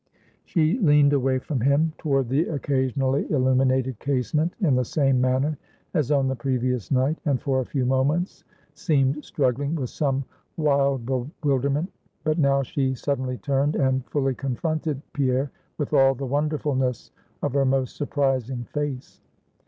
She leaned away from him, toward the occasionally illuminated casement, in the same manner as on the previous night, and for a few moments seemed struggling with some wild bewilderment But now she suddenly turned, and fully confronted Pierre with all the wonderfulness of her most surprising face.